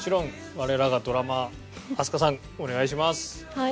はい。